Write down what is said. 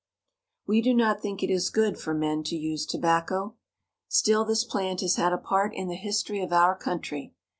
We do not think it is good for men to use tobacco. TOBACCO. 105 Still this plant has had a part in the history of our country.